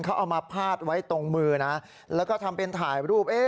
เขาเอามาพาดไว้ตรงมือนะแล้วก็ทำเป็นถ่ายรูป